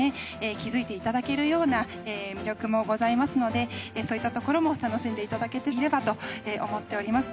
気づいていただけるような魅力もございますのでそういったところも楽しんでいただけていればと思っております。